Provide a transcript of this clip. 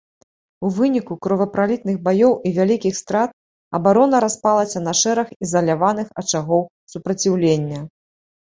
У выніку кровапралітных баёў і вялікіх страт абарона распалася на шэраг ізаляваных ачагоў супраціўлення.